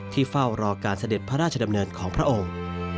เฝ้ารอการเสด็จพระราชดำเนินของพระองค์